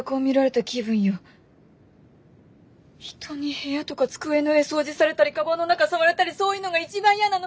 人に部屋とか机の上掃除されたりカバンの中触られたりそういうのが一番イヤなの！